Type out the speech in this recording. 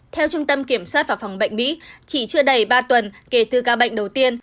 theo trung tâm kiểm soát và phòng bệnh mỹ chỉ chưa đầy ba tuần kể từ ca bệnh đầu tiên